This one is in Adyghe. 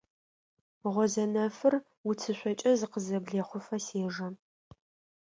Гъозэнэфыр уцышъокӏэ зыкъызэблехъуфэ сежэ.